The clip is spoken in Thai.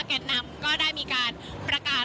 แก่นนำก็ได้มีการประกาศ